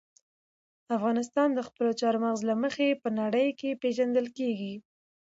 افغانستان د خپلو چار مغز له مخې په نړۍ کې پېژندل کېږي.